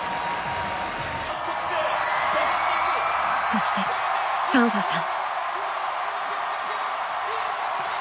そしてサンファさん。